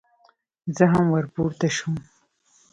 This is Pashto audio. زه هم ور پورته شوم.